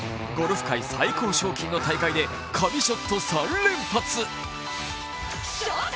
ゴルフ界最高賞金の大会で、神ショット３連発。